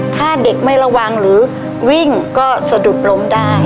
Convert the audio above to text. ถ้าเด็กไม่ระวังหรือวิ่งก็สะดุดล้มได้